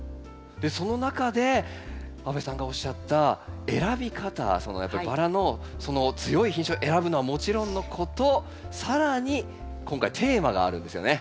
その中で阿部さんがおっしゃった選び方やっぱりバラのその強い品種を選ぶのはもちろんのこと更に今回テーマがあるんですよね？